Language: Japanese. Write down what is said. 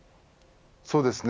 そうですね